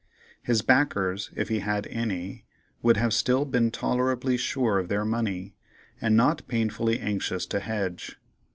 His backers, if he'd had any, would have still been tolerably sure of their money, and not painfully anxious to hedge.